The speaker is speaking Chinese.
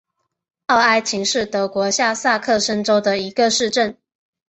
奥埃岑是德国下萨克森州的一个市镇。